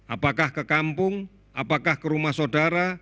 apakah ke kampung apakah ke rumah saudara